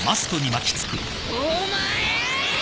お前！